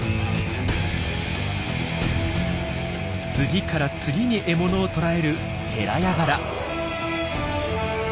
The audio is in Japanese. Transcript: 次から次に獲物を捕らえるヘラヤガラ。